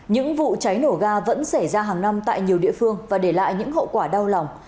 những vụ cháy nổ ga vẫn xảy ra hàng năm tại nhiều địa phương và để lại những hậu quả đau lòng